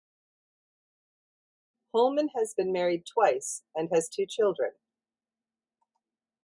Holman has been married twice and has two children.